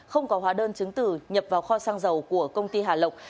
không có hóa đơn chứng từ nhập vào kho xăng dầu của công ty hà lộc